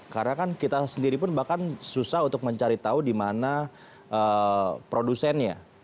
karena kan kita sendiri pun bahkan susah untuk mencari tahu dimana produsennya